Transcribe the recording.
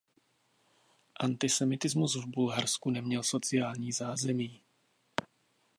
Antisemitismus v Bulharsku neměl sociální zázemí.